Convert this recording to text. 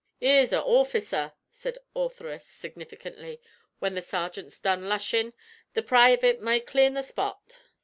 "'Ere's a orficer," said Ortheris, significantly. "When the sergent's done lushin', the privit may clean the pot."